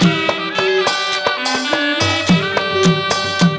มีชื่อว่าโนราตัวอ่อนครับ